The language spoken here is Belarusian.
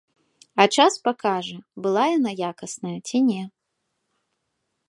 А час пакажа, была яна якасная, ці не.